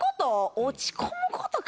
落ち込むことか。